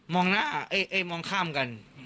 มองข้ามกัน